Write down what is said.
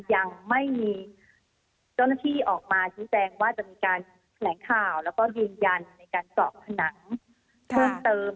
ยังไม่มีเจ้าหน้าที่ออกมาชี้แจงว่าจะมีการแถลงข่าวแล้วก็ยืนยันในการเจาะผนังเพิ่มเติม